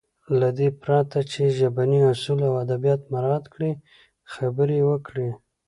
له دې پرته چې ژبني اصول او ادبيات مراعت کړي خبرې يې وکړې.